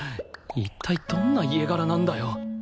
一体どんな家柄なんだよ？